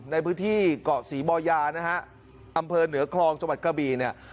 ในพื้นที่เกาะศรีบอยานะฮะอำเภอเหนือคลองจังหวัดกระบีเนี่ย